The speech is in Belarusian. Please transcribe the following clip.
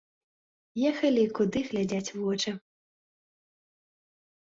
Ехалі куды глядзяць вочы.